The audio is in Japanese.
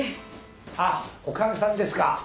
あっ女将さんですか？